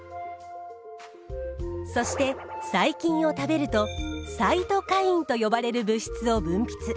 そして細菌を食べるとサイトカインと呼ばれる物質を分泌。